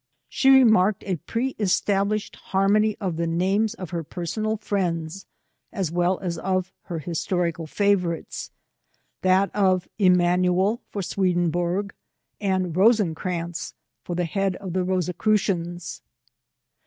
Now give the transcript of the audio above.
She remarked a pre established harmony of the names of her personal friends, as well as of her historical favourites ; that of Emanuel, for Swedenborg; and Rosencrantz, for the head of the Rosicrucians.